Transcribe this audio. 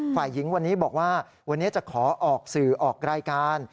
ฝ่ายหญิงวันนี้บอกว่าวันนี้จะขอออกสื่อออกรายการ